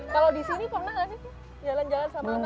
kalau di sini pernah nggak sih jalan jalan sama anak anak